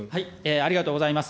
ありがとうございます。